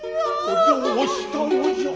どうしたのじゃ。